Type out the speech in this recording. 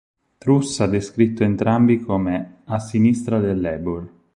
Truss ha descritto entrambi come "a sinistra del Labour".